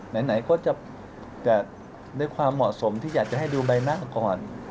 ไหนก็จะด้วยความเหมาะสมที่อยากจะให้ดูใบหน้าก่อน